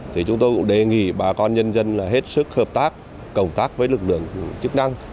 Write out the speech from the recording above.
thì chúng tôi cũng đề nghị bà con nhân dân là hết sức hợp tác cộng tác với lực lượng chức năng